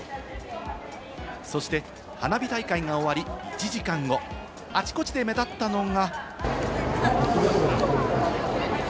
そして花火大会が終わり、１時間後、あちこちで目立ったのが。